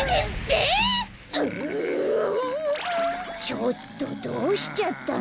ちょっとどうしちゃったの？